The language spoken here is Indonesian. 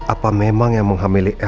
apa memang yang menghamili elsa dulu